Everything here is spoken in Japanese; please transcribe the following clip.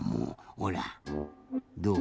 ほらどう？